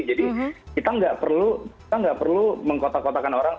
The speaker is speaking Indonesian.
jadi kita nggak perlu mengkotak kotakan orang